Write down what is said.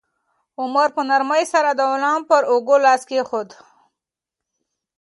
عمر په نرمۍ سره د غلام پر اوږه لاس کېښود.